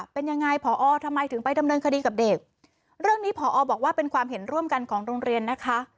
เป็นยังไงผอทำไมถึงไปดำเนินคดีกับเด็กเรื่องนี้ผอบอกว่าเป็นความเห็นร่วมกันของโรงเรียนนะคะ